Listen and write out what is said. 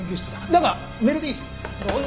だがメールでいい。